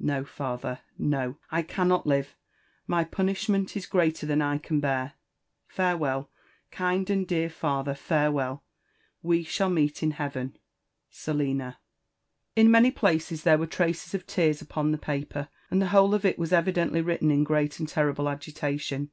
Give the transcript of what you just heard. No, father, no; I cannot live! — my pu nishment 18 greater than I can bear. Farewell !— ^kind and dear father, farewell t — we shall meet in heaven. " Selina/' «' In many places there were traces of tears upon the paper, and the whole of it was evidently written in great and terrible agitation.